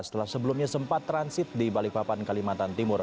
setelah sebelumnya sempat transisinya